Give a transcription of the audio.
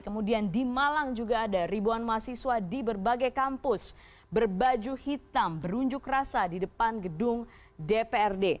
kemudian di malang juga ada ribuan mahasiswa di berbagai kampus berbaju hitam berunjuk rasa di depan gedung dprd